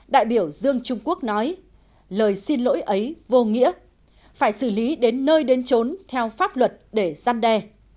đại biểu dương trung quốc nói lời xin lỗi ấy vô nghĩa phải xử lý đến nơi đến trốn theo pháp luật để gian đe